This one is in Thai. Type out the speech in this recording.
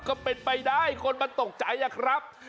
ก็เป็นไปได้คนมันตกใจอะครับ